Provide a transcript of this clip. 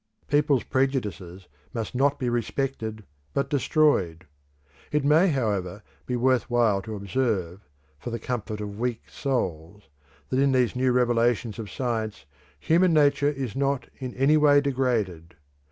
People's prejudices must not be respected but destroyed. It may, however, be worth while to observe, for the comfort of weak souls, that in these new revelations of science human nature is not in any way degraded.